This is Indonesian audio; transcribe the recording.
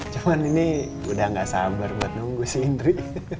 cuman ini udah gak sabar buat nunggu sih indri